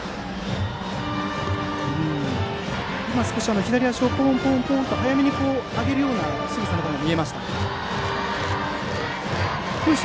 少し左足をポンポンと早めに上げるしぐさが見えました。